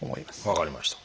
分かりました。